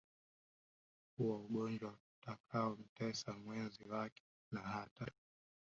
kuwa ugonjwa utakaomtesa mwenzi wake na hata